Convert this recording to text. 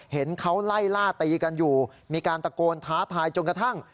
เห็นเขาไล่ล่าตีกันอยู่มีการตะโกนท้าทายจนกระทั่ง